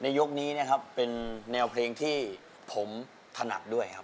ยกนี้นะครับเป็นแนวเพลงที่ผมถนัดด้วยครับ